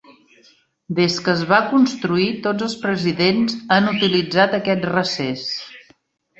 Des que es va construir, tots els presidents han utilitzat aquest recés.